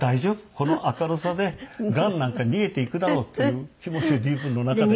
この明るさでがんなんか逃げていくだろうっていう気持ちで自分の中で。